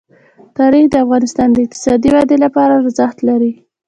تاریخ د افغانستان د اقتصادي ودې لپاره ارزښت لري.